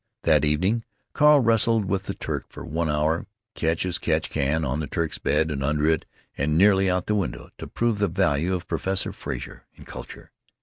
That evening Carl wrestled with the Turk for one hour, catch as catch can, on the Turk's bed and under it and nearly out of the window, to prove the value of Professor Frazer and culture.